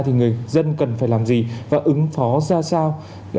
thì người dân cần phải làm gì và ứng phó ra sao